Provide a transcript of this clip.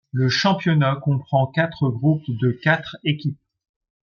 Le championnat comprend quatre groupes de quatre équipes.